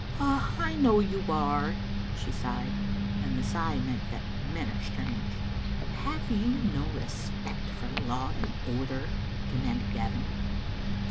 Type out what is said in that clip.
"I know you are," she sighed, and the sigh meant that men are strange. " Have you no respect for law and order?" demanded Gavin.